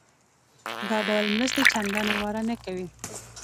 دا ډول مرستې چندانې واره نه کوي.